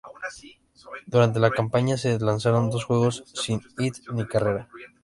Durante la campaña se lanzaron dos juegos sin hit ni carrera.